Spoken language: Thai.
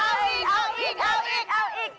เอาอีกเอาอีกเอาอีกเอาอีก